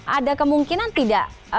ada kemungkinan tidak